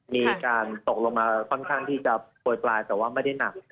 มีการตกลงมาค่อนข้างที่จะโปรยปลายแต่ว่าไม่ได้หนัก